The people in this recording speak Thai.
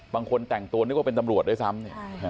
บางคนแต่งตัวนึกว่าเป็นตำรวจด้วยซ้ำ